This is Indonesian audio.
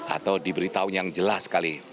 atau diberitahu yang jelas sekali